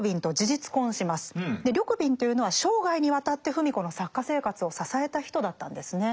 緑敏というのは生涯にわたって芙美子の作家生活を支えた人だったんですね。